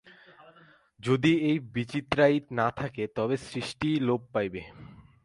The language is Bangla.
যদি এই বিচিত্রতাই না থাকে, তবে সৃষ্টিই লোপ পাইবে।